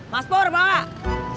mas pur bawa